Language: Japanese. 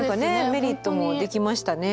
メリットもできましたね。